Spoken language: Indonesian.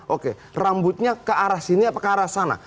oke rambutnya ke arah sini apa ke arah sana